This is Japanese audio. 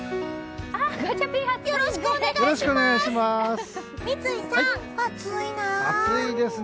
よろしくお願いします！